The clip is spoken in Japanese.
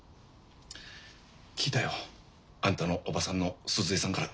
聞いたよあんたのおばさんの鈴江さんから。